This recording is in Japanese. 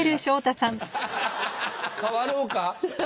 代わろうか？